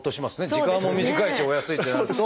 時間も短いしお安いってなると。